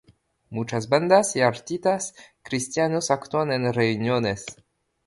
Muchas bandas y artistas cristianos actúan en reuniones.